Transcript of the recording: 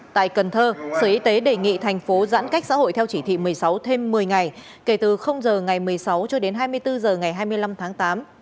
tại cần thơ sở y tế đề nghị thành phố giãn cách xã hội theo chỉ thị một mươi sáu thêm một mươi ngày kể từ giờ ngày một mươi sáu cho đến hai mươi bốn h ngày hai mươi năm tháng tám